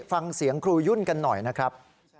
ฟังเสียงครูยุ่นกันหน่อยนะครับ